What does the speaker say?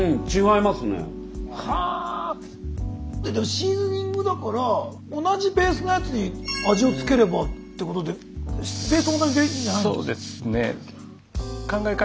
シーズニングだから同じベースのやつに味を付ければってことでベースは同じでいいんじゃないですか？